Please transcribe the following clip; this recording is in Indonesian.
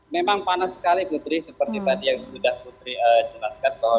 memang panas sekali putri seperti tadi yang sudah putri jelaskan